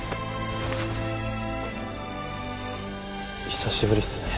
久しぶりっすね。